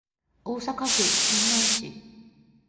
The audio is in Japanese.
大阪府泉南市